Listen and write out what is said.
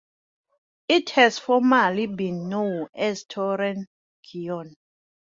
It had formerly been known as Tooreenkeogh.